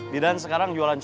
di dan sekarang jualan cuan ki